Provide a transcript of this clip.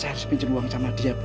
saya harus pinjam uang sama dia bu